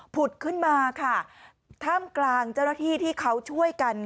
ผุดขึ้นมาค่ะท่ามกลางเจ้าหน้าที่ที่เขาช่วยกัน